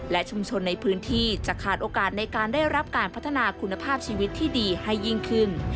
และชุมชนในพื้นที่จะขาดโอกาสในการได้รับการพัฒนาคุณภาพชีวิตที่ดีให้ยิ่งขึ้น